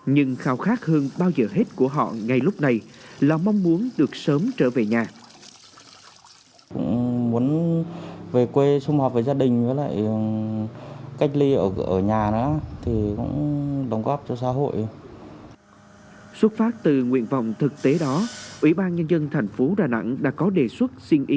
nhưng khao khát hơn là không có thu nhập họ phải đi bắt cá hái rau để ăn qua ngày có hôm may mắn thì được các nhà hảo tâm hỗ trợ cho phần cơm hay thùng bị cói